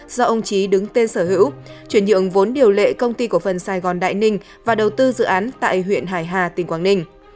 do ông trí đứng tên sở hữu chuyển nhượng vốn điều lệ công ty của phần sài gòn đại ninh và đầu tư dự án tại huyện hải hà tỉnh quảng ninh